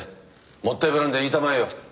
もったいぶらんで言いたまえよ。